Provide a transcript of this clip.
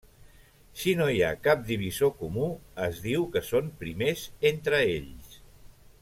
Si no hi ha cap divisor comú, es diu que són primers entre ells.